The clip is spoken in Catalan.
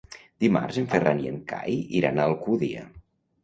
Dimarts en Ferran i en Cai iran a Alcúdia.